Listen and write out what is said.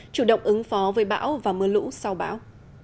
chủ động ứng phó với bão và mưa lũ sau bão